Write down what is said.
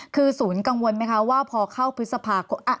คือศูนย์กังวลไหมคะว่าพอเข้าพฤษภาคม